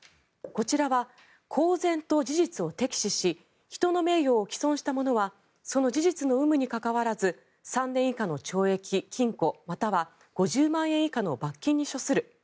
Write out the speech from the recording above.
こちらは公然と事実を摘示し人の名誉を毀損した者はその事実の有無にかかわらず３年以下の懲役・禁錮または５０万円以下の罰金に処する。